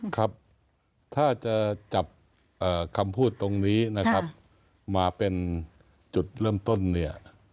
ครับถ้าจะจับคำพูดตรงนี้นะครับมาเป็นจุดเริ่มต้นเนี่ย